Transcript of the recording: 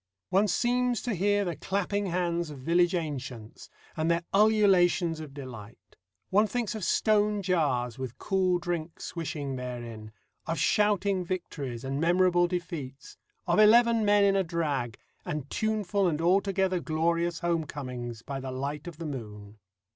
One seems to hear the clapping hands of village ancients, and their ululations of delight. One thinks of stone jars with cool drink swishing therein, of shouting victories and memorable defeats, of eleven men in a drag, and tuneful and altogether glorious home comings by the light of the moon.